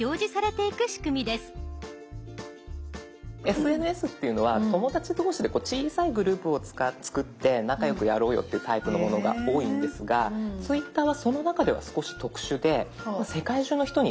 ＳＮＳっていうのは友達同士で小さいグループを作って仲良くやろうよっていうタイプのものが多いんですがツイッターはその中では少し特殊で世界中の人に。